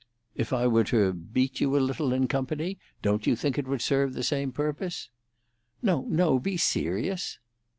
"If I were to beat you a little in company, don't you think it would serve the same purpose?" "No, no; be serious."